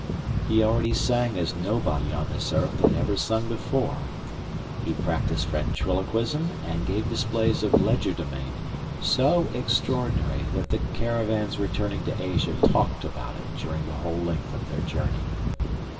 He already sang as nobody on this earth had ever sung before; he practised ventriloquism and gave displays of legerdemain so extraordinary that the caravans returning to Asia talked about it during the whole length of their journey.